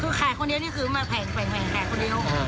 คือขายคนเดียวนี่คือมาแผงคนเดียว